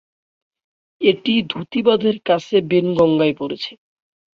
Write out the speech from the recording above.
এটি ধুতি বাঁধের কাছে বেনগঙ্গায় পড়েছে।